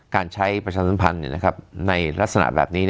การใช้ประชาสัมพันธ์ในลักษณะแบบนี้